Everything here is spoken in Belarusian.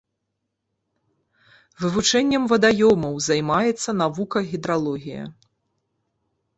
Вывучэннем вадаёмаў займаецца навука гідралогія.